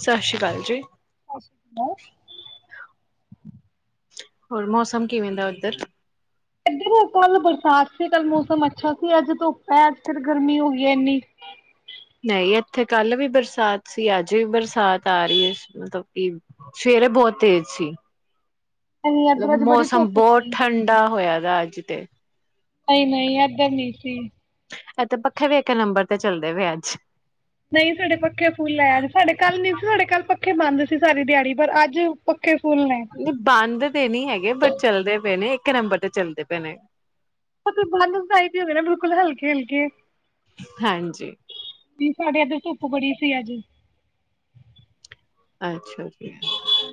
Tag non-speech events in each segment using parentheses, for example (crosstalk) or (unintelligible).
ਸਤਿ ਸ਼੍ਰੀ ਅਕਾਲ ਜੀ, ਹੋਰ ਮੌਸਮ ਕਿਵੇਂਦਾ ਉੱਧਰ? ਇੱਧਰ ਕੱਲ ਬਰਸਾਤ ਸੀ ਕੱਲ ਮੌਸਮ ਅੱਛਾ ਸੀ ਅੱਜ ਧੁੱਪ ਹੈ ਅੱਜ ਫੇਰ ਗਰਮੀ ਹੋ ਗਈ ਇੰਨੀ। ਨਹੀਂ ਇੱਥੇ ਕੱਲ੍ਹ ਵੀ ਬਰਸਾਤ ਸੀ ਅੱਜ ਵੀ ਬਰਸਾਤ ਆ ਰਹੀ ਹੈ ਮਤਲਬ ਕਿ ਸਵੇਰੇ ਬਹੁਤ ਤੇਜ਼ ਸੀ ਨਹੀਂ ਮਤਲਬ ਇੱਧਰ ਅੱਜ ਬੜੀ ਮੌਸਮ ਧੁੱਪ ਬਹੁਤ ਸੀ ਠੰਡਾ ਹੋਇਆ ਦਾ ਅੱਜ ਅਤੇ- ਨਹੀਂ-ਨਹੀਂ ਇਧਰ ਨੀ ਸੀ। ਇਥੇ ਪੱਖੇ ਵੀ ਇਕ ਨੰਬਰ ਤੇ ਚੱਲਦੇ ਪਏ ਅੱਜ ਨਹੀਂ ਸਾਡੇ ਪੱਖੇ ਫੁੱਲ ਹੈ ਅੱਜ ਸਾਡੇ ਕੱਲ ਨਹੀਂ ਸੀ ਸਾਡੇ ਕੱਲ ਪੱਖੇ ਬੰਦ ਸੀ ਸਾਰੀ ਦਿਹਾੜੀ ਪਰ ਅੱਜ ਪੱਖੇ ਫੁੱਲ ਨੇ ਨਹੀਂ ਬੰਦ ਤੇ ਨੀ ਹੈਗੇ ਬਟ ਚੱਲਦੇ ਪਏ ਨੇ ਇਕ ਨੰਬਰ ਤੇ ਚੱਲਦੇ ਪੈ ਨੇ ਉਹ ਬਾਈ ਹਦੇ ਨਾ ਬਿਲਕੁਲ ਹਲਕੇ ਹਲਕੇ ਹਾਂਜੀ। ਵੀ ਸਾਡੇ ਇੱਧਰ ਧੁੱਪ ਕਹਿੰਦਾ ਵੇਖ ਚਲਾ ਦੇ ਨਹੀਂ ਕਨੂੰ ਫੁੱਲ ਰੇਖਾ ਚਲਾ ਕੇ ਬੜੀ ਸੀ ਅੱਜ ਅੱਛਾ ਜੀ ਚਲ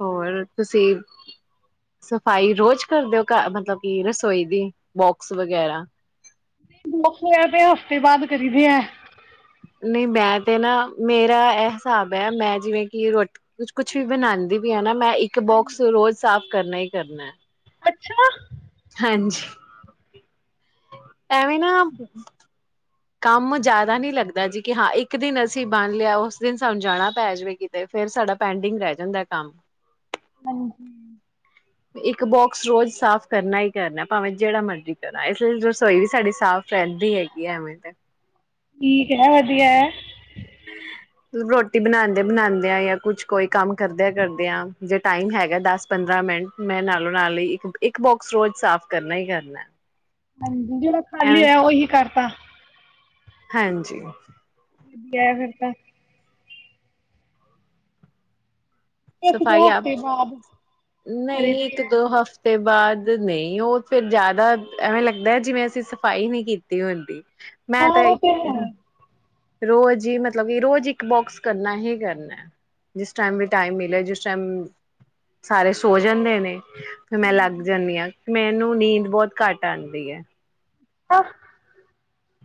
ਹੋਰ ਤੁਸੀਂ ਸਫ਼ਾਈ ਰੋਜ਼ ਕਰਦੇ ਹੋ ਘ ਮਤਲਬ ਕਿ ਰਸੋਈ ਦੀ ਬੋਕਸ ਵਗੈਰਾ ਦੋ ਤੇ ਹਫ਼ਤੇ ਬਾਅਦ ਕਰੀਦੇ ਹੈ ਨਹੀਂ ਮੈਂ ਤੇ ਨਾ ਮੇਰਾ ਇਹ ਹਿਸਾਬ ਹੈ ਮੈਂ ਜਿਵੇਂ ਕਿ ਰੋਟੀ ਕੁ ਕੁਛ ਵੀ ਬਣਾਉਂਦੀ ਪ ਹ ਨਾ ਮੈਂ ਇੱਕ ਬੋਕਸ ਹਾਂਜੀ ਰੋਜ਼ ਸਾਫ਼ ਕਰਨਾ ਕਰਨਾ ਅੱਛਾ ਹਾਂਜੀ ਐਵੇਂ ਨਾ ਕੰਮ ਜਿਆਦਾ ਨੀ ਲੱਗਦਾ ਜੀ ਕਿ ਹਾਂ ਇੱਕ ਦਿਨ ਅਸੀਂ ਬੰਣ ਲਿਆ ਉਸ ਦਿਨ ਸਾਨੂੰ ਜਾਣਾ ਪੈ ਜਾਵੇਗੀ ਤੇ ਫੇਿਰ ਸਾਡਾ ਪੈਂਡਿੰਗ ਰਹਿ ਜਾਂਦਾ ਕੰਮ ਹਾਂਜੀ ਇੱਕ ਬੋਕਸ ਰੋਜ਼ ਸਾਫ਼ ਕਰਨਾ ਹੀ ਕਰਨਾ ਭਾਵੇਂ ਜਿਹੜਾ ਮਰਜ਼ੀ ਕਰਨਾ ਇਸ ਲਈ ਰਸੋਈ ਵੀ ਸਾਡੀ ਸਾਫ਼ ਰਹਿੰਦੀ ਹੈਗੀ ਹੈ ਐਵੇਂ ਤੇ ਠੀਕ ਹੈ ਵਧੀਆ ਹੈ ਰੋਟੀ ਬਣਾਉਂਦੇ ਬਣਾਉਂਦੇ ਆ ਜਾਂ ਕੁਛ ਕੋਈ ਕੰਮ ਕਰਦਿਆਂ ਕਰਦੇਿਆਂ ਜੇ ਟਾਈਮ ਹੈਗਾ ਦਸ ਪੰਦਰਾਂ ਮਿੰਟ ਮੈਂ ਨਾਲੋਂ ਨਾਲ ਹੀ ਇੱਕ ਇੱਕ ਬੋਕਸ ਰੋਜ਼ ਸਾਫ਼ ਕਰਨਾ ਹੀ ਕਰਨਾ ਹਾਂ ਜਿਹੜਾ ਖਾਲੀ ਐਵੇਂ ਆ ਉਹੀ ਕਰਤਾ ਹਾਂਜੀ ਵਧੀਆ ਫਿਰ ਤਾਂ ਇੱਕ ਸਫਾਈ ਦੋ ਆਪ ਹਫ਼ਤੇ ਬਾਅਦ ਕਰੀ ਨਹੀਂ ਦੀ ਇੱਕ ਹੈ ਦੋ ਹਫ਼ਤੇ ਬਾਅਦ ਨਹੀਂ ਉਹ ਫਿਰ ਜ਼ਿਆਦਾ ਐਵੇਂ ਲੱਗਦਾ ਜਿਵੇਂ ਅਸੀਂ ਸਫਾਈ ਨਹੀਂ ਕੀਤੀ ਹੁੰਦੀ ਹਾਂ ਉਹ ਤਾਂ ਹੈ ਰੋਜ਼ ਹੀ ਮਤਲਬ ਕਿ ਰੋਜ਼ ਇੱਕ ਬੋਕਸ ਕਰਨਾ ਹੀ ਕਰਨਾ ਜਿਸ ਟਾਈਮ ਵੀ ਟਾਈਮ ਮਿਲਿਆ ਜਿਸ ਟਾਈਮ ਸਾਰੇ ਸੋ ਜਾਂਦੇ ਨੇ ਫਿਰ ਮੈਂ ਹਾਂਜੀ ਲੱਗ ਜਾਂਦੀ ਹਾਂ ਮੈਨੂੰ ਨੀਂਦ ਬਹੁਤ ਘੱਟ ਆਉਂਦੀ ਹੈ ਆ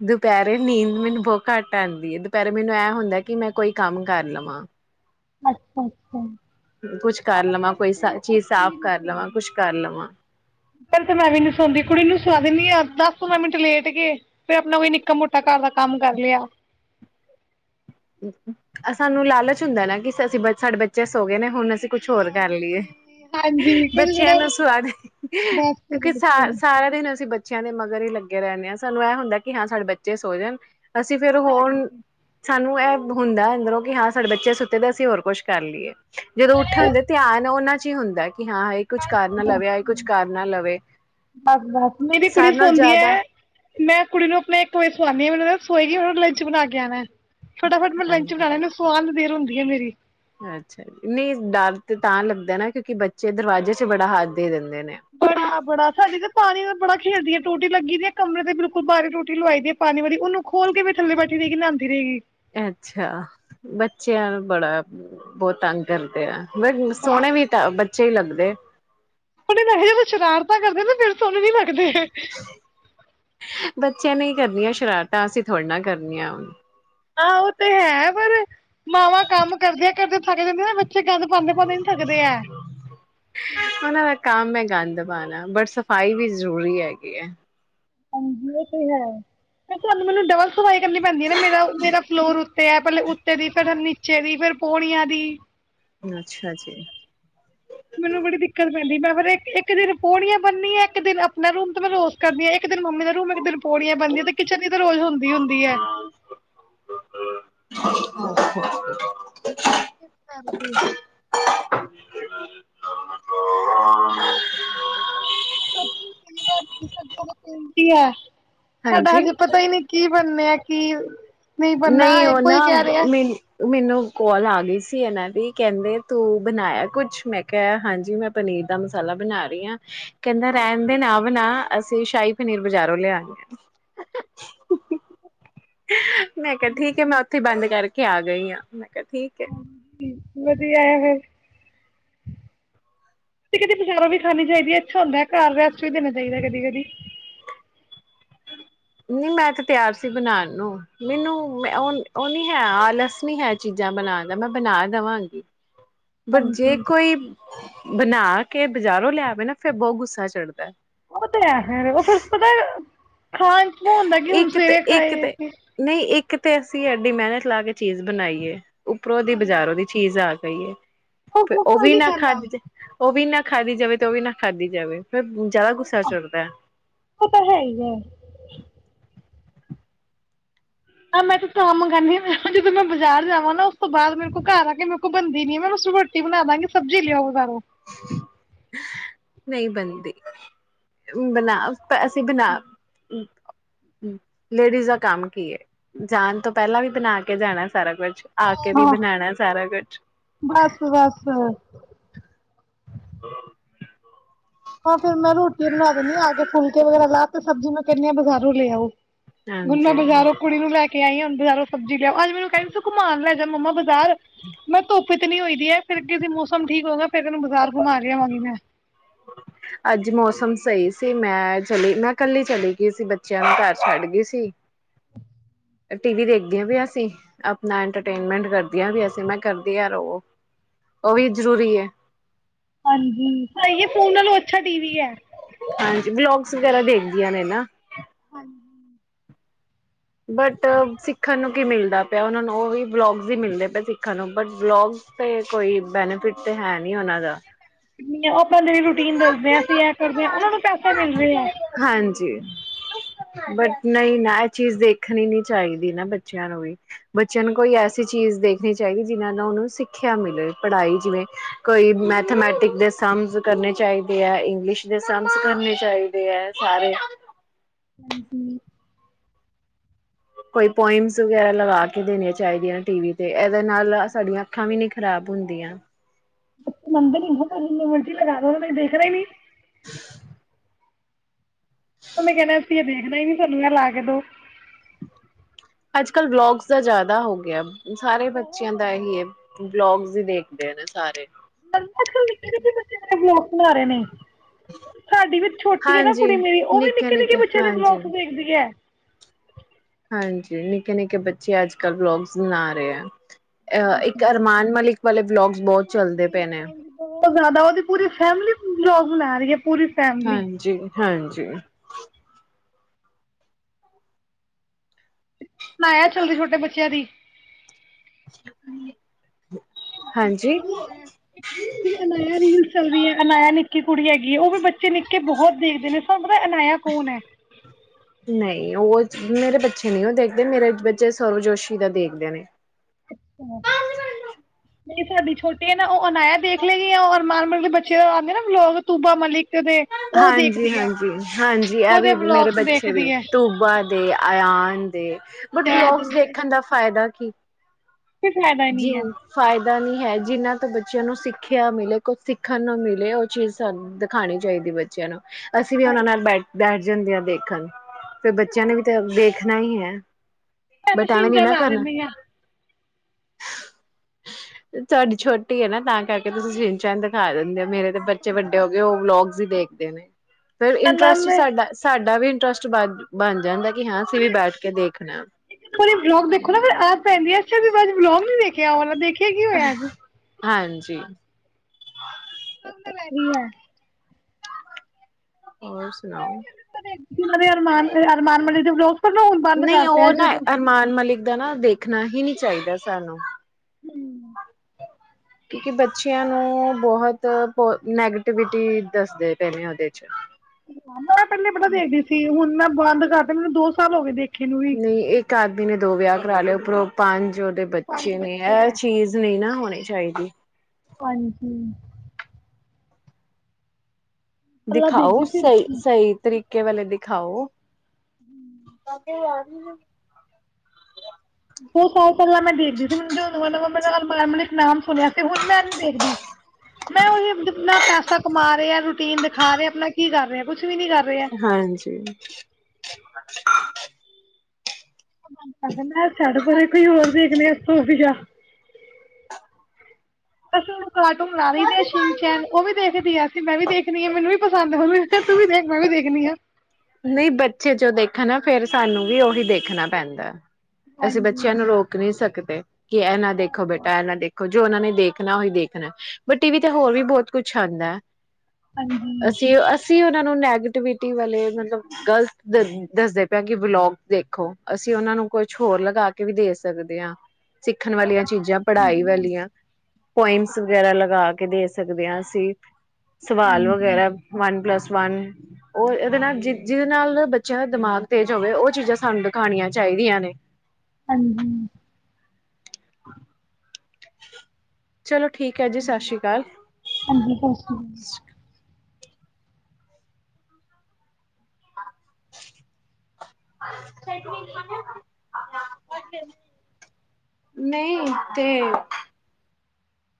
ਦੁਪਹਿਰੇ ਨੀਂਦ ਮੈਨੂੰ ਬਹੁਤ ਘੱਟ ਆਉਂਦੀ ਹੈ ਦੁਪਹਿਰੇ ਮੈਨੂੰ ਇਹ ਹੁੰਦਾ ਕਿ ਮੈਂ ਕੋਈ ਕੰਮ ਕਰ ਲਵਾਂ ਅੱਛਾ ਕੁਛ ਕਰ ਅੱਛਾ ਲਵਾਂ ਕੋਈ ਚੀਜ਼ ਸਾਫ਼ ਕਰ ਲਵਾਂ ਕੁਛ ਕਰ ਲਵਾਂ ਫ ਤੇ ਮੈਂ ਵੀ ਨੀ ਸੌਦੀ ਕੁੜੀ ਨੂੰ ਸੁਵਾ ਦਿੰਦੀ ਹਾਂ ਤੇ ਆਪ ਦਸ ਪੰਦਰਾਂ ਮਿੰਟ ਲੇਟ ਗਏ ਫੇਿਰ ਆਪਣਾ ਕੋਈ ਨਿੱਕਾ ਮੋਟਾ ਘਰ ਦਾ ਕੰਮ ਕਰ ਲਿਆ ਸਾਨੂੰ ਲਾਲਚ ਹੁੰਦਾ ਨਾ ਕਿ ਅਸੀਂ ਬ ਸਾਡੇ ਬੱਚੇ ਸੋ ਗਏ ਨੇ ਹੁਣ ਅਸੀ ਕੁਛ ਹੋਰ ਕਰ ਲਈਏ ਹਾਂਜੀ ਹਾਂਜੀ ਕੁਝ ਬੱਚਿਆਂ ਜਿਹੜਾ ਨੂੰ ਸਵਾ ਲਈਏ ਬਸ ਤੇ ਕਿਉਂਕਿ ਸ ਬੈਠੇ ਸਾਰਾ ਦਿਨ ਅਸੀਂ ਬ ਬੱਚਿਆਂ ਦੇ ਮਗਰ ਹੀ ਲੱਗੇ ਰਹਿੰਦੇ ਆ ਸਾਨੂੰ ਇਹ ਹੁੰਦਾ ਕਿ ਹਾਂ ਸਾਡੇ ਬੱਚੇ ਸੋ ਜਾਣ ਅਸੀਂ ਫੇਿਰ ਹੁਣ ਹਾਂਜੀ ਉ ਇਹ ਹੁੰਦਾ ਅੰਦਰੋਂ ਕਿ ਹਾਂ ਸਾਡੇ ਬੱਚੇ ਸੁੱਤੇ ਦੇ ਅਸੀਂ ਹੋਰ ਕੁੱਛ ਕਰ ਲਈਏ। ਜਦੋਂ ਉੱਠੇ ਹੁੰਦੇ ਧਿਆਨ ਉਹਨਾਂ ਹੁੰਦਾ ਕਿ ਹਾਂ ਇਹ ਕੁਛ ਕਰ ਨਾ ਬਸ ਲਵੇ ਆ ਇਹ ਕੁਛ ਕਰ ਨਾ ਲਵੇ ਬਸ ਬਸ ਮੇਰੀ ਕੁੜੀ ਸਾਰਿਆਂ ਨਾਲ ਸੌਂਦੀ ਜ਼ਿਆਦਾ ਹੈ ਮੈਂ ਕੁੜੀ ਨੂੰ ਆਪਣਾ ਇੱਕ ਵਜੇ ਸਵਾਂਦੀ ਹਾਂ ਮੈਨੂੰ ਸੋਏਗੀ ਹੂੰ ਲੰਚ ਬਣਾ ਕੇ ਆਉਣਾ ਫਟਾਫਟ ਮੈਂ ਲੰਚ ਬਣਾਨਾ ਇਹਨੂੰ ਸਵਾਨ ਸਵਾ ਦੇਰ ਹੁੰਦੀ ਹੈ ਮੇਰੀ ਅੱਛਾ ਨਹੀਂ ਡਰ ਤੇ ਤਾਂ ਲੱਗਦਾ ਨਾ ਕਿਉਂਕਿ ਬੱਚੇ ਦਰਵਾਜ਼ੇ 'ਚ ਬੜਾ ਹੱਥ ਦੇ ਦਿੰਦੇ ਨੇ। ਬੜਾ ਬੜਾ ਸਾਡੀ ਤੇ ਪਾਣੀ ਬੜਾ ਖੇਲਦੀ ਹੈਆਂ ਟੋਟੀ ਲੱਗੀ ਦੀ ਕਮਰੇ ਤੇ ਬਿਲਕੁਲ ਬਾਹਰ ਟੋਟੀ ਲਵਾਈ ਦੀ ਹੈ ਪਾਣੀ ਵਾਲੀ ਉਹਨੂੰ ਖੋਲ ਕੇ ਥੱਲੇ ਬੈਠੀ ਰਹੇਗੀ। ਨਾਉਂਦੀ ਰਹੇਗੀ। ਅੱਛਾ ਬੱਚਿਆਂ ਬੜਾ ਬਹੁਤ ਤੰਗ ਕਰਦੇ ਆ। ਬ ਸੋਹਣੇ ਵੀ ਤਾਂ ਬੱਚੇ ਸਹੀ ਲੱਗਦੇ। ਪਰ ਜਦੋਂ ਸ਼ਰਾਰਤਾਂ ਕਰਦੇ ਨਾ ਫਿਰ ਸੋਹਣੇ ਨਹੀਂ ਲਗਦੇ। (inaudible) ਬੱਚਿਆਂ ਨਹੀਂ ਕਰਨੀਆਂ ਸ਼ਰਾਰਤਾਂ ਅਸੀਂ ਥੋੜ੍ਹੇ ਨਾਲ ਕਰਨੀਆਂ ਹੁਣ ਆ ਉਹ ਤੇ ਹੈ ਪਰ ਮਾਵਾਂ ਕੰਮ ਕਰਦੇ ਕਰਦੇ ਥੱਕ ਜਾਂਦੀਆਂ ਬੱ (inaudible) ਕੰਮ ਗੰਦ ਪਾਉਣਾ ਬਟ ਸਫ਼ਾਈ ਵੀ ਜ਼ਰੂਰੀ ਹੈਗੀ ਹੈ। (unintelligible) ਤੁਹਾਨੂੰ ਮੈਨੂੰ ਡਬਲ ਸਫਾਈ ਕਰਨੀ ਪੈਂਦੀ ਹੈ ਨਾ ਮੇਰਾ ਮੇਰਾ ਫਲੋਰ ਉੱਤੇ ਹੈ ਪਹਿਲੇ ਉੱਤੇ ਦੀ ਫਿਰ ਨੀਚੇ ਦੀ ਫਿਰ ਪਣੀਆਂ ਦੀ ਅੱਛਾ ਜੀ ਮੈਨੂੰ ਬੜੀ ਦਿੱਕਤ ਪੈਂਦੀ ਮੈਂ ਫਿਰ ਇੱਕ ਦਿਨ ਪੌੜੀਆਂ ਬੰਨੀ ਆ ਇੱਕ ਦਿਨ ਆਪਣਾ ਰੂਮ ਤੇ ਮੈਂ ਰੋਜ ਕਰਦੀ ਹਾਂ ਇਕ ਕਿ ਦਿਨ ਮੰਮੀ ਦਾ ਰੂਮ ਕਿ ਦਿਨ ਪੌੜੀਆਂ ਪੈਂਦੀਆਂ ਤੇ ਕਿਚਨ ਹੀ ਤਾਂ ਰੋਜ਼ ਹੁੰਦੀ ਹੁੰਦੀ ਐ। (inaudible) (unintelligible) (unintelligible) (unintelligible) ਸਾਡਾ ਹਾਂਜੀ ਹਜੇ ਪਤਾ ਹੀ ਨਹੀਂ ਕੀ ਪਰ ਮੈਂ ਕੀ ਬਣਨਾ ਨਹੀਂ ਇਹ ਉਹ ਨਾ ਕੋਈ ਕਹਿ ਰਿਹਾ ਮੈਨੂੰ ਮੈਨੂੰ ਕਾਲ ਆ ਗਈ ਸੀ ਇਹਨਾਂ ਦੀ ਕਹਿੰਦੇ ਤੂੰ ਬਣਾਇਆ ਕੁਛ ਮੈਂ ਕਿਹਾ ਹਾਂਜੀ ਮੈਂ ਪਨੀਰ ਦਾ ਮਸਾਲਾ ਬਣਾ ਰਹੀ ਹਾਂ। ਰਹਿਣਦੇ ਨਾ ਬ ਆ ਅਸੀਂ ਸ਼ਾਹੀ ਪਨੀਰ ਬਾਜ਼ਾਰੋਂ ਲਿਆਣੇ ਆ। (inaudible) ਮੈਂ ਕਿਹਾ ਠੀਕ ਹ ਮੈਂ ਉਥੇ ਹੀ ਬੰਦ ਕਰਕੇ ਆ ਗਈ ਹਾਂ ਮੈਂ ਠੀਕ ਹੈ ਫ ਕਦੀ ਬਜ਼ਾਰੋਂ ਵੀ ਖਾਣੀ ਚਾਹੀਦੀ ਹੈ ਅੱਛਾ ਹੁੰਦਾ ਘਰ ਰੈਸਟ ਵੀ ਦੇਣਾ ਚਾਹੀਦਾ ਕਦੀ ਕਦੀ ਨਹੀਂ ਮੈਂ ਤੇ ਤਿਆਰ ਸੀ ਬਣਾਉਣ ਨੂੰ ਮੈਨੂੰ ਮ ਉਹ ਉਹ ਨੀ ਹੈ ਆਲਸ ਨੀ ਹੈ ਚੀਜ਼ਾਂ ਬਣਾਉਣ ਦਾ ਮੈਂ ਬਣਾ ਦੇਵਾਂਗੀ ਬਟ ਜੇ ਹਾਂਜੀ ਕੋਈ ਬਣਾ ਕੇ ਬਾਜ਼ਾਰੋਂ ਲਿਆਵੇ ਨਾ ਫੇਿਰ ਬਹੁਤ ਗੁੱਸਾ ਚੜਦਾ ਤੇ ਉਹ ਫਿਰ ਪਤਾ ਖਣ ਹੁੰਦਾ ਕਿ ਹੁਣ ਸਵੇਰੇ ਖਾਏ ਕੇ ਕਿਤੇ ਅਸੀਂ ਐਡੀ ਮਿਹਨਤ ਲਾ ਕੇ ਚੀਜ਼ ਬਣਾਈਏ ਉੱਪਰੋਂ ਦੀ ਬਾਜ਼ਾਰੋਂ ਦੀ ਚੀਜ਼ ਆ ਕਹੀਏ ਫੇ ਉਹ ਕੋਈ ਵੀ ਨਹੀਂ ਨਾ ਖਾਂਦਾ ਖਾਜ ਉਹ ਵੀ ਨਾ ਖਾਧੀ ਜਾਵੇ, ਤੇ ਉਹ ਵੀ ਨਾ ਖਾਧੀ ਜਾਵੇ। ਫੇ ਜ਼ਿਆਦਾ ਉਹ ਗੁੱਸਾ ਤਾਂ ਚੜਦਾ ਉਹ ਤਾਂ ਹੈ ਹੀ ਹੈ ਆਾਂ ਮੈਂ ਤੇ ਤਾਂ ਮੰਗਵਾਉਣੀ ਆ ਜਦੋਂ ਮੈਂ ਬਾਜ਼ਾਰ ਜਾਵਾਂ ਨਾ ਉਸ ਤੋਂ ਬਾਅਦ ਮੇਰੇ ਕੋਲ ਘਰ ਆ ਕੇ ਮੇਰੇ ਕੋਲ ਬਣਦੀ ਨੀ ਆ ਮੈਂ ਉਸਨੂੰ ਰੋਟੀ ਬਣਾ ਦਾਂਗੀ ਸਬਜ਼ੀ ਲਿਆਓ ਬਜ਼ਾਰੋਂ। ਨਹੀਂ ਬਣਦੀ। ਬਣਾ ਅਸੀਂ ਬਣਾ ਲੇਡੀਜ਼ ਦਾ ਕੰਮ ਕੀ ਹੈ, ਜਾਣ ਤੋਂ ਪਹਿਲਾਂ ਵੀ ਬਣਾ ਕੇ ਜਾਣਾ ਸਾਰਾ ਕੁਛ ਆ ਕੇ ਵੀ ਹਾਂ ਬਣਾਣਾ ਸਾਰਾ ਕੁਛ। ਬਸ ਬਸ ਹਾਂ ਫੇਿਰ ਮੈਂ ਰੋਟੀ ਬਣਾ ਦੇਨੀ ਆ ਕੇ ਫੁਲਕੇ ਵਗੈਰਾ ਲਾ ਦੇਨੀਯ। ਸਬਜ਼ੀ ਮੈਂ ਕਹਿੰਦੀ ਹਾਂ ਬਜ਼ਾਰੋਂ ਲੈ ਆਉ। ਹੁਣ ਮੈਂ ਹਾਂਜੀ ਬਾਜ਼ਾਰੋਂ ਕੁੜੀ ਨੂੰ ਲੈ ਕੇ ਆਈ ਆ। ਯਾਰੋ ਅੱ ਮੈਨੂੰ ਕਹਿੰਦੀ ਤੂੰ ਘੁਮਾਣ ਲੈ ਜੀ ਮੰਮਾ ਯਾਰ, ਮੈਂ ਧੁੱਪ ਚ ਮੌਸਮ ਠੀਕ ਹੋਗਾ ਫਿਰ ਇਹਨੂੰ ਬਾਜ਼ਾਰ ਘੁਮਾ ਲਿਆਵਾਂਗੇ ਮੈਂ ਅੱਜ ਮੌਸਮ ਸਹੀ ਸੀ। ਮੈਂ ਚਲੀ ਮੈਂ ਕੱਲੀ ਚਲੀ ਗਈ ਸੀ ਬੱਚਿਆਂ ਨੂੰ ਘਰ ਛੱਡ ਗਈ ਸੀ। ਟੀ ਵੀ ਦੇਖਦੀਆਂ ਪਆਂ ਸੀ ਆਪਣਾ ਇੰਟਰਟੇਨਮੈਂਟ ਕਰਦੀਆਂ ਪੈਯਾ ਸੀ ਮੈਂ ਕਰਦੀ ਯ ਰੋ ਉਹ ਵੀ ਜ਼ਰੂਰੀ ਹੈ। ਹਾਂਜੀ ਸਹੀ ਹੈ ਫੋਨ ਨਾਲੋਂ ਅੱਛਾ ਟੀ ਵੀ ਹੈ। ਹਾਂਜੀ ਵਲੋਗਸ ਵਗੈਰਾ ਦੇਖਦੀਆਂ ਨੇ ਨਾ। ਹਾਂਜੀ। ਬਟ ਸਿੱਖਣ ਨੂੰ ਕੀ ਮਿਲਦਾ ਪਿਆ ਉਹਨਾਂ ਨੂੰ ਉਵੀ ਵਲੋਗਸ ਹੀ ਮਿਲਦੇ ਪਏ ਨ ਸਿੱਖਣ ਨੂੰ, ਬੱਸ ਵਲੋਗਸ ਤੇ ਕੋਈ ਬੈਨੀਫਿਟ ਤੇ ਹੈ ਨ ਉਹਨਾਂ ਦਾ। (unintelligible) ਬੰਦੇ ਦੀ ਰੂਟੀਨ ਦੱਸਦੇ ਹ, ਅਸੀਂ ਇਹ ਕਰਦੇ ਹਾਂ, ਉਹਨਾ ਨੂੰ ਪੈਸੇ ਮਿਲ ਹੈ। ਹਾਂਜੀ ਬਟ ਨਹੀਂ ਨਾ ਇਹ ਚੀਜ਼ ਦੇਖਣੀ ਨੀ ਚਾਹੀਦੀ ਨਾ, ਬੱਚਿਆਂ ਨੂੰ ਵੀ ਬੱਚਿਆਂ ਨੂੰ ਕੋਈ ਐਸੀ ਚੀਜ਼ ਦੇਖਣੀ ਚਾਹੀਦੀ ਜਿਨਾਂ ਨੂੰ ਉਹਨੂੰ ਸਿੱਖਿਆ ਮਿਲੇ, ਪੜ੍ਹਾਈ ਜਿਵੇਂ ਕੋਈ ਮੈਥਮੈਟਿਕ ਦੇ ਸਮ ਕਰਨੇ ਚਾਹੀਦੇ ਹੈ। ਇੰਗਲਿਸ਼ ਦੇ ਸਮ ਕਰਨੇ ਚਾਹੀਦੇ ਹੈ। ਸਾਰੇ (unintelligible) ਕੋਈ ਪੋਇਮਸ ਵਗੈਰਾ ਲਗਾ ਕੇ ਦੇਣੀਆਂ ਚਾਹੀਦੀਆਂ ਨੇ ਟੀਵੀ ਤੇ। ਇਹਦੇ ਨਾਲ ਸਾਡੀਆਂ ਅੱਖਾਂ ਵੀ ਨਹੀਂ ਖ਼ਰਾਬ ਹੁੰਦੀਆਂ। (unintelligible) ਜਿੰਨੇ ਮਰਜ਼ੀ ਲਗਾ ਦੋ ਦੇਖਣਾ ਹੀ ਨਹੀਂ। (inaudible) ਉਹਨੇ ਕਹਿਣਾ ਅਸੀ ਇਹ ਦੇਖਣਾ ਹੀ ਨੀ ਸਾਨੂੰ ਏਹ ਲਾ ਕੇ ਦੋ। ਅੱਜ-ਕਲ ਵਲੋਗਸ ਦਾ ਜ਼ਿਆਦਾ ਹੋ ਗਿਆ। ਸਾਰੇ ਬਹੁਤ ਬੱਚਿਆਂ ਦਾ ਜ਼ਿਆਦਾ ਇਹੀ ਹੈ, ਬਲੋਗ ਤੇ ਦੇਖਦੇ ਨਾ ਸਾਰੇ (unintelligible) ਨ ਰਹੇ ਨੇ ਸਾਡੀ ਵੀ ਛੋਟੀ ਹੈ ਨਾ ਹਾਂਜੀ ਕੁੜੀ ਮੇਰੀ ਉਹ ਵੀ ਨਿੱਕੇ-ਨਿੱਕੇ ਬੱਚੇ ਦੇ ਹਾਂਜੀ। ਵਲੋਗਸ ਦੇਖਦੀ ਹੈ। ਹਾਂਜੀ ਨਿੱਕੇ-ਨਿੱਕੇ ਬੱਚੇ ਅੱਜ-ਕਲ੍ਹ ਬਲੋਗਸ ਬਣਾ ਰਹੇ ਆ। ਅ ਇੱਕ ਅਰਮਾਨ ਮਲਿਕ ਵਾਲੇ ਬਲੋਗ ਹਾਂਜੀ-ਹਾਂਜੀ ਬਹੁਤ ਜ਼ਿਆਦਾ ਉਹਦੀ ਪੂਰੀ ਫੈਮਿਲੀ ਬਣਾ ਰਹੀ ਏ। ਹਾਂਜੀ-ਹਾਂਜੀ। (inaudible) (unintelligible) ਛੋਟੇ ਬੱਚਿਆਂ ਦੀ। (unintelligible) ਹਾਂਜੀ (inaudible) ਅਨਾਇਆ ਰੀਲ ਚੱਲ ਰਹੀ ਹੈ ਅਨਾਇਆ ਨਿੱਕੀ। ਕੁੜੀ ਹੈਗੀ ਹੈ ਉਹ ਵੀ ਬੱਚੇ ਨਿੱਕੇ ਬਹੁਤ ਦੇਖਦੇ ਨੇ ਸਭ ਪਰ ਅਨਾਇਆ ਕੌਣ ਹੈ? ਨਹੀਂ (inaudible) ਮੇਰੇ ਬੱਚੇ ਨਹੀਂ ਉਹ ਦੇਖਦੇ ਮੇਰੇ ਬੱਚੇ ਸੋਰਸਵਜੋਸ਼ੀ ਦਾ ਦੇਖਦੇ ਨੇ। ਜਿਹੜੀ ਸਾਡੀ ਛੋਟੀ ਆ ਨਾ ਉਹ ਅਨਾਇਆ ਦੇਖ ਲੈਗੀ ਓਰ ਮਕਾਨ ਮਾਲਕ ਦੇ ਬੱਚੇ ਆਉਂਦੇ ਨਾ ਲੋਕ ਤੂਬਾ ਮਲਿਕ ਦੇ ਉਹ ਦੇਖਦੀ ਹੈ ਹਾਂਜੀ-ਹਾਂਜੀ-ਹਾਂਜੀ ਇਹ ਉਹਦੇ ਵੀ ਮੇਰੇ ਵਲੋਗਸ ਬੱਚੇ ਵੀ ਦੇਖਦੀ ਹੈ ਤੂਬਾ ਦੇ ਆਯਨ ਦੇ ਬਟ ਜੈਦ ਦੇ ਵਲੋਗਸ ਦੇਖਣ ਦਾ ਫਾਇਦਾ ਠੀਕ। ਕੋਈ ਫਾਇਦਾ ਨਹੀਂ ਹੈ। ਫਾਇਦਾ ਨਹੀਂਨ ਹੈ ਜਿਹਨਾਂ ਤੋਂ ਬੱਚਿਆਂ ਨੂੰ ਸਿੱਖਿਆ ਮਿਲੇ ਕੁਛ ਸਿੱਖਣ ਨੂੰ ਮਿਲੇ ਉਹ ਚੀਜ਼ ਸਾਨੂੰਦਿਖਾਉਣੀ ਚਾਹੀਦੀ ਬੱਚਿਆਂ ਨੂੰ। ਅਸੀਂ ਵੀ ਉਹਨਾ ਨਾਲ ਬੈਠ-ਬੈਠ ਜਾਂਦਿਆ ਦੇਖਣ ਫੇਰ ਬੱਚਿਆਂ ਨੇ ਵੀ ਤਾਂ ਦੇਖਣਾ ਹੀ ਹੈ। ਮੈਂ ਤਾਂ ਬਟ ਐਵੇ ਨੀ ਸ਼ਿੰਜਾ ਨਾ ਲਾ ਕਰਨਾ। (inaudible) ਲੈਂਦੀ ਹਾਂ (inaudible) ਤੁਹਾਡੀ ਛੋਟੀ ਹੈ ਨਾ ਤਾਂ ਕਰਕੇ ਤੁਸੀਂ ਛਿਨ ਚੈਨ ਦਿਖਾ ਦਿੰਦੇ ਹੋ। ਮੇਰੇ ਤੇ ਬੱਚੇ ਵੱਡੇ ਹੋ ਗਏ ਉਹ ਵਲੋਗਸ ਹੀ ਦੇਖ ਦੇ ਨੇ। ਫਿਰ ਇੰਟਰਸਟ ਸਾਡਾ- ਸਾਡਾ ਵੀ (inaudible) ਕਿ ਇੱਕ ਹਾਂ ਅਸੀਂ ਵੀ ਵਾਰੀ ਬੈਠ ਕੇ ਦੇਖਣਾ ਇੱਕ ਵਾਰੀ ਬਲੋਕ ਦੇਖੋ ਨਾ ਫੇਰ ਆਦਤ ਪੈ ਜਾਂਦੀ ਏ (unintelligible) ਆਹ ਹਾਂਜੀ। (unintelligible) ਹੋਰ ਸੁਣਾਓ? ਜਿਹਨਾਂ ਦੇ ਅਰਮਾਨ, ਅਰਮਾਨ ਮਲਿਕ ਦੇ ਵਲੋਗ ਨਹੀਂ ਉਹ ਨਾ ਅਰਮਾਨ ਮਲਿਕ ਦਾ ਨਾ ਦੇਖਣਾ ਹੀ ਨੀ ਚਾਹੀਦਾ ਸਾਨੂੰ। ਕਿਉਕਿ ਬੱਚਿਆਂ ਨੂੰ ਬਹੁਤ ਨੈਗੇਟਿਵਿਟੀ ਦੱਸਦੇ ਪਏ ਨੇ ਉਹਦੇ ਚ। ਮੈਂ ਪਹਿਲੇ ਬੜਾ ਦੇਖਦੀ ਸੀ ਹੁਣ ਮੈਂ ਬੰਦ ਕਰਤਾ ਮੈਨੂੰ ਦੋ ਸਾਲ ਹੋ ਗਏ ਦੇਖ ਨਹੀਂ ਇੱਕ ਆਦ ਆਦਮੀ ਨੇ ਦੋ ਵਿਆਹ ਕਰਾਲੇ। ਉਪਰੋਂ ਪੰਜ ਜੋ ਉਹਦੇ ਬੱਚੇ ਨੇ ਐ ਚੀਜ਼ ਨਹੀਂ ਨਾ ਹੋਣੀ ਚਾਹੀਦੀ। ਹਾਂਜੀ। ਅੱਲਾ ਦਿਖਾਓ ਦੇਖਦੀ ਸੀ ਸਹੀ, ਸਹੀ ਤਰੀਕੇ ਕੇਵਲ ਇਹ ਦਿਖਾਓ। (unintelligible) (unintelligible) ਬਹੁਤ ਸਾਲ ਪਹਿਲਾਂ ਮੈਂ ਦੇਖਦੀ ਸੀ, ਜਦੋਂ ਮੈਂ ਨਵਾ ਨਵਾ ਅਰਮਾਨ ਮਲਿਕ ਨਾਮ ਸੁਣਿਆ ਸੀ ਹੁਣ ਮੈਂ ਨੀ ਦੇਖਦੀ ਮੈਂ ਉਹੀ ਆਪਣਾ ਪੈਸਾ ਕਮਾ ਰਿਹਾ ਰੂਟੀਨ ਦਿਖਾ ਰਿਹਾ ਆਪਣਾ ਕੀ ਕਰ ਰਿਹਾ ਕੁਛ ਹਾਂਜੀ। ਮੈਂ ਬੰਦ ਕਰਤਾ ਮੈ ਕਿਹਾ ਛੱਡ ਪਰੇ ਕੋਈ ਹੋਰ ਦੇਖਦੇ ਹਾਂ ਏਸ ਤੋਂ ਵਧੀਆ। (unintelligible) ਕਾਰਟੂਨ ਲਾ ਲਈਦੇ ਆ ਸ਼ੀਨ ਚੈਨ ਉਹ ਵੀ ਦੇਖਦੀ ਆ ਅਸੀਂ ਮੈਂ ਵੀ ਦੇਖਦੀ ਹਾਂ ਮੈਨੂੰ ਵੀ ਪਸੰਦ ਕਿਹਾ ਤੂੰ ਵੀ ਦੇਖ ਮੈਂ ਵੀ ਦੇਖਣੀ ਆ। ਨਹੀਂ ਬੱਚੇ ਜੋ ਦੇਖਣ ਨਾ ਫਿਰ, ਸਾਨੂੰ ਵੀ ਉਹੀ ਦੇਖਣਾ ਪੈਂਦਾ। ਅਸੀਂ ਬੱਚਿਆਂ ਨੂੰ ਰੋਕ ਨਹੀਂ ਸਕਦੇ। ਤੇ ਕਿ ਇਹ ਨਾ ਦੇਖੋ ਬੇਟਾ, ਇਹ ਨਾ ਦੇਖੋ ਜੋ ਉਹਨਾਂ ਨੇ ਦੇਖਣਾ ਉਹੀ ਦੇਖਣ, ਬਟ ਟੀਵੀ ਤੇ ਹੋਰ ਵੀ ਬਹੁਤ ਕੁਛ ਆਉਂਦਾ ਹੈ। ਅਸੀਂ, ਅਸੀਂ ਉਹਨਾਂ ਨੂੰ ਨੈਗੇਟਿਵਿਟੀ ਵਾਲੇ ਗ਼ਲਤ ਦ ਦੱਸਦੇ ਪਏ ਕਿ ਬਲੋਗ ਦੇਖੋ। ਅਸੀਂ ਉਹਨਾਂ ਨੂੰ ਕੁਛ ਹੋਰ ਲਗਾ ਕੇ ਵੀ ਦੇ ਸਕਦੇ ਹਾਂ। ਸਿੱਖਣ ਵਾਲੀਆਂ ਚੀਜਾਂ, ਪੜ੍ਹਾਈ ਵਾਲੀਆਂ। ਪੋਇਮਸ ਵਗੈਰਾ ਲਗਾ ਕੇ ਦੇ ਸਕਦੇ ਹਾਂ ਅਸੀਂ। ਸਵਾਲ ਵਗੈਰਾ ਵਨਪਲੱਸ ਵਨ ਉਹ ਇਹਦੇ ਨਾਲ ਜ ਜਿਹਦੇ ਨਾਲ ਬੱਚਿਆਂ ਦਾ ਦਿਮਾਗ ਤੇਜ਼ ਹੋਵੇ। ਉਹ ਚੀਜ਼ਾਂ ਸਾਨੂੰ ਦਿਖਾਉਣੀਆਂ ਚਾਹੀਦੀਆਂ ਨੇ। ਹਾਂਜੀ। ਹ ਠੀ ਚਲੋ ਠੀਕ ਹੈ ਜੀ ਸਤਿ ਸ੍ਰੀ ਅਕਾਲ। ਨਹੀਂ ਤੇ